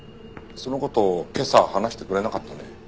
その事今朝話してくれなかったね。